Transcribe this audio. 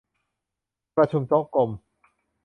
ประชุมโต๊ะกลม